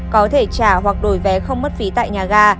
có thể trả hoặc đổi vé không mất phí tại nhà ga